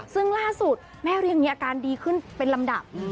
ซึ่งล่าสุดแม่เรียงมีอาการดีขึ้นเป็นลำดับ